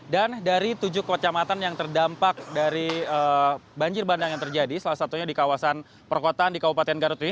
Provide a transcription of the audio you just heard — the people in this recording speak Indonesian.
dan dari tujuh kocamatan yang terdampak dari banjir bandang yang terjadi salah satunya di kawasan perkotaan di kabupaten garut ini